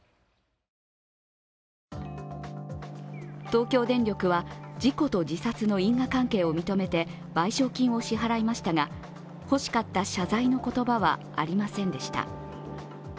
東京電力は、事故と自殺の因果関係を認めて賠償金を支払いましたが、欲しかった謝罪の言葉はありませんでした。